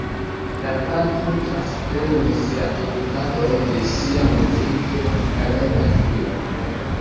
La patro transprenis la edukadon de sia muzike talenta filo.